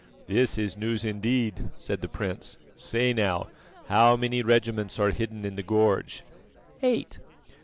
"This is news indeed," said the prince. "Say now, how many regiments are hidden in the gorge?" "Eight."